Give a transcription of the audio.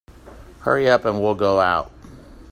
Hurry up and we'll go out.